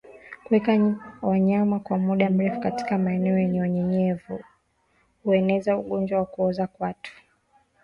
Kuweka wanyama kwa muda mrefu katika maeneo yenye unyevu hueneza ugonjwa wa kuoza kwato